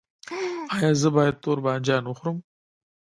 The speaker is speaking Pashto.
ایا زه باید تور بانجان وخورم؟